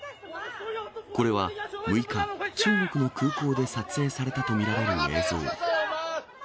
これは６日、中国の空港で撮影されたと見られる映像。